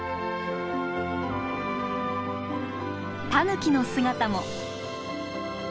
タヌキの姿も。